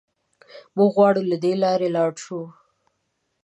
موږ غواړو له دې لارې لاړ شو.